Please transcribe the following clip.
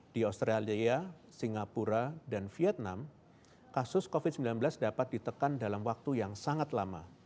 di australia singapura dan vietnam kasus covid sembilan belas dapat ditekan dalam waktu yang sangat lama